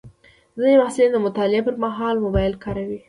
ځینې محصلین د مطالعې پر مهال موبایل کاروي.